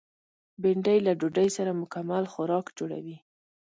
بېنډۍ له ډوډۍ سره مکمل خوراک جوړوي